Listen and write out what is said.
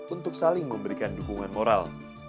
untuk saling memberikan dukungan moral